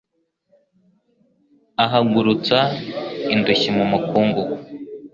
Ahagurutsa indushyi mu mukungugu